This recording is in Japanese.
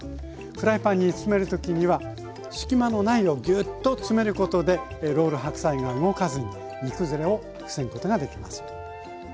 フライパンにつめる時には隙間のないようギュッとつめることでロール白菜が動かずに煮崩れを防ぐことができます。